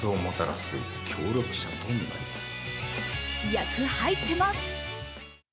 役、入ってます。